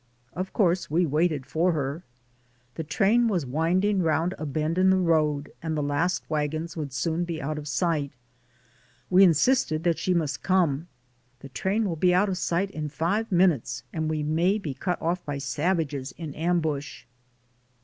Of course we waited for her. The train was winding round a bend in the road, and the last wagons would soon be out of sight. We insisted that she must come. "The train will be out of sight in five minutes, and we may be cut off by sav ages in ambush."